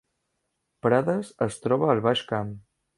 Prades es troba al Baix Camp